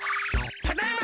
ただいま。